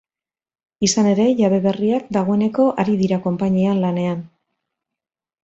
Izan ere, jabe berriak dagoeneko ari dira konpainian lanean.